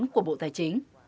của bộ tài chính